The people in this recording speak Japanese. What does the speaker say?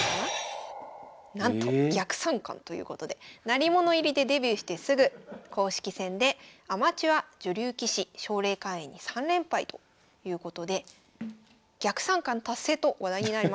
鳴り物入りでデビューしてすぐ公式戦でアマチュア女流棋士奨励会員に３連敗ということで逆三冠達成と話題になりました。